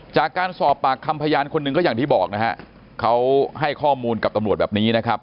จากการสอบปากคำพยานคนหนึ่งก็อย่างที่บอกนะฮะเขาให้ข้อมูลกับตำรวจแบบนี้นะครับ